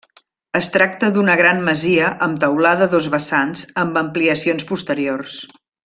Es tracta d'una gran masia amb teulada a dos vessants amb ampliacions posteriors.